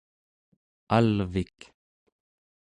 alvik